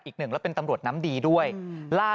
ปี๖๕วันเกิดปี๖๔ไปร่วมงานเช่นเดียวกัน